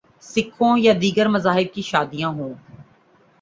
سکھوں یا دیگر مذاہب کی شادیاں ہوں۔